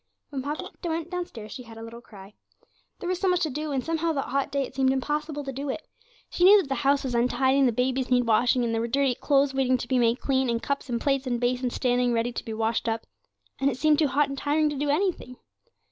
When Poppy went downstairs she had a little quiet cry. There was so much to do, and somehow that hot day it seemed impossible to do it. She knew that the house was untidy, and the babies needed washing, and there were dirty clothes waiting to be made clean, and cups and plates and basins standing ready to be washed up. And it seemed too hot and tiring to do anything.